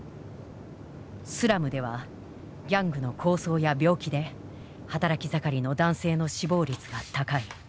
スラムではギャングの抗争や病気で働き盛りの男性の死亡率が高い。